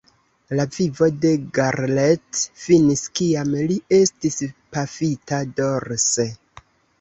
La vivo de Garrett finis kiam li estis pafita dorse.